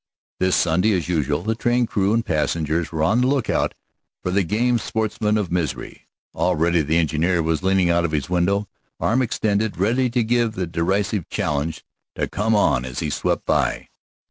This Sunday, as usual, train crew and passengers were on the lookout for the game sportsmen of Misery. Already the engineer was leaning out of his window, arm extended, ready to give the derisive challenge to come on as he swept by.